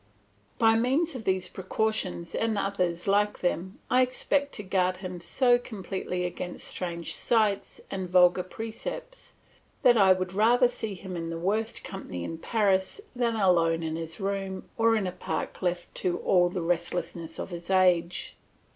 By means of these precautions and others like them, I expect to guard him so completely against strange sights and vulgar precepts that I would rather see him in the worst company in Paris than alone in his room or in a park left to all the restlessness of his age.